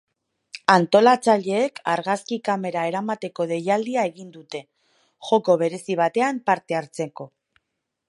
Antolatzaileek argazki kamera eramateko deialdia egin dute, joko berezi batean parte hartzeko.